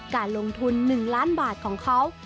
การลงทุน๑ล้านบาทของเขา